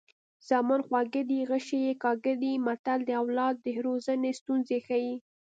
زامن خواږه دي غشي یې کاږه دي متل د اولاد د روزنې ستونزې ښيي